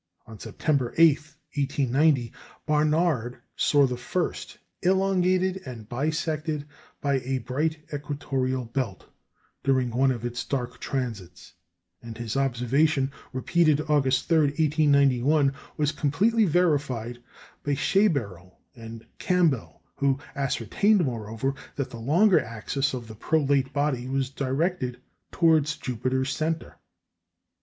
On September 8, 1890, Barnard saw the first elongated and bisected by a bright equatorial belt, during one of its dark transits; and his observation, repeated August 3, 1891, was completely verified by Schaeberle and Campbell, who ascertained, moreover, that the longer axis of the prolate body was directed towards Jupiter's centre.